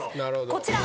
こちら。